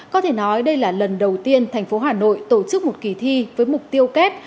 có thể nói đây là lần đầu tiên thành phố hà nội tổ chức một kỳ thi với mục tiêu kép